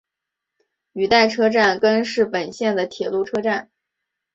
羽带车站根室本线的铁路车站。